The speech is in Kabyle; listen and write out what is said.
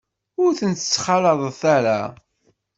Ur tent-ttxalaḍet ara.